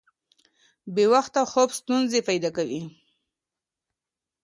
بې وخته خوب ستونزې پیدا کوي.